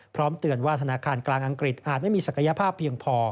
เตือนว่าธนาคารกลางอังกฤษอาจไม่มีศักยภาพเพียงพอ